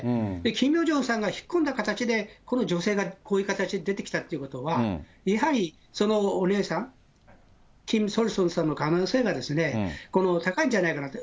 キム・ヨジョンさんが引っ込んだ形で、この女性がこういう形で出てきたということは、やはり、そのお姉さん、キム・ソルソンさんの可能性が、高いんじゃないかなと。